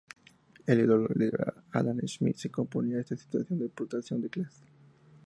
El ideólogo liberal Adam Smith se oponía a esta situación de explotación de clases.